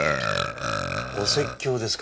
お説教ですか？